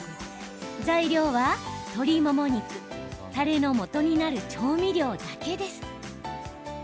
材料は、鶏もも肉たれのもとになる調味料だけです。